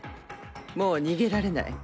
もう逃げられない。